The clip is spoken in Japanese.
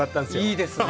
いいですね。